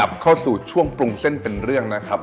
เข้าสู่ช่วงปรุงเส้นเป็นเรื่องนะครับ